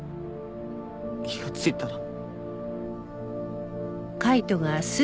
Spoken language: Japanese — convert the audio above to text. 気がついたら。